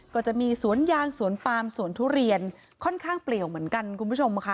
ก็จะมีสวนยางสวนปามสวนทุเรียนค่อนข้างเปลี่ยวเหมือนกันคุณผู้ชมค่ะ